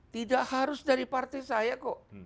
tidak harus dari partai saya kok